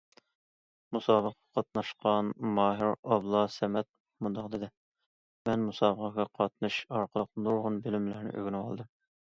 مۇسابىقىگە قاتناشقان ماھىر ئابلا سەمەت مۇنداق دېدى: مەن مۇسابىقىگە قاتنىشىش ئارقىلىق نۇرغۇن بىلىملەرنى ئۆگىنىۋالدىم.